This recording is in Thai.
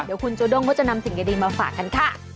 เดี๋ยวคุณโจด้งก็จะนำสิ่งดีมาฝากกันค่ะ